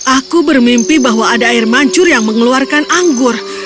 aku bermimpi bahwa ada air mancur yang mengeluarkan anggur